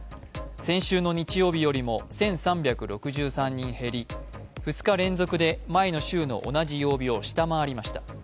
先週の日曜日よりも１３６３人減り２日連続で前の週の同じ曜日を下回りました。